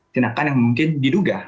tindakan yang mungkin diduga